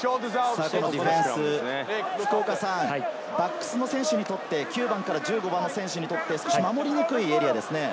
このディフェンスバックスの選手にとって、９番から１５番の選手に通って守りにくいエリアですね。